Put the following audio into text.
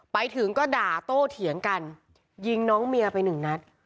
ไปถึงก็ด่าโต้เถียงกันยิงน้องเมียไปหนึ่งนัด